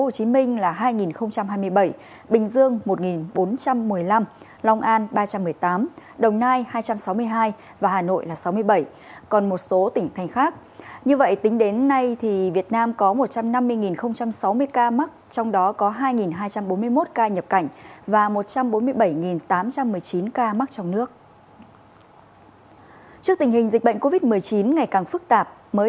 xin chào và hẹn gặp lại